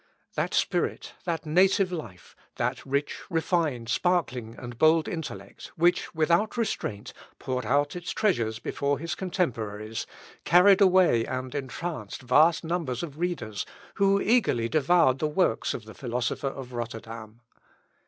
That spirit, that native life, that rich, refined, sparkling and bold intellect, which, without restraint, poured out its treasures before his contemporaries, carried away and entranced vast numbers of readers, who eagerly devoured the works of the philosopher of Rotterdam.